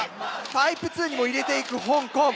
タイプ２にも入れていく香港。